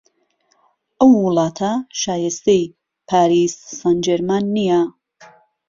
ئهو وڵاته شایستهی پاریس سانجێرمان نییه